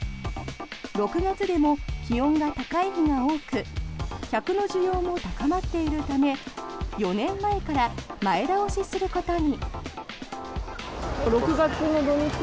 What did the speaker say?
６月でも気温が高い日が多く客の需要も高まっているため４年前から前倒しすることに。